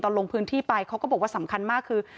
ลงพื้นที่ไปเขาก็บอกว่าสำคัญมากคือ